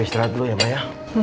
pak istriah dulu ya maya